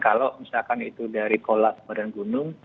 kalau misalkan itu dari kolak badan gunung